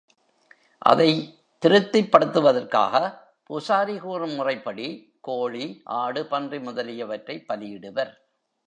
அதைத் திருப்திப் படுத்துவதற்காகப் பூசாரி கூறும் முறைப்படி கோழி, ஆடு, பன்றி முதலியவற்றைப் பலியிடுவர்.